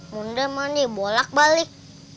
bunda mau dibolak balik